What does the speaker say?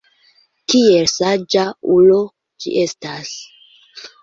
Kiel saĝa ulo ĝi estas!